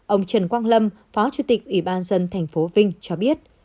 ông trần quang lâm phó chủ tịch ủy ban dân thành phố vinh cho biết